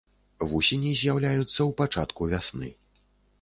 Вусені з'яўляюцца ў пачатку вясны.